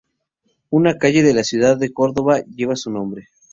Una calle de la ciudad de Córdoba lleva su nombre.